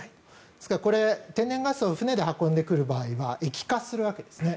ですから、天然ガスを船で運んでくる場合は液化するわけですね。